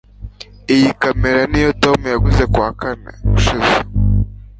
iyi kamera niyo tom yaguze kuwa kane ushize